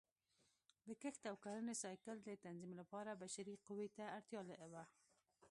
د کښت او کرنې سایکل د تنظیم لپاره بشري قوې ته اړتیا وه